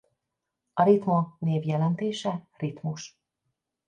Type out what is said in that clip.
A Ritmo név jelentése ritmus.